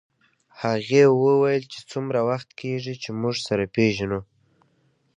هغې وویل چې څومره وخت کېږي چې موږ سره پېژنو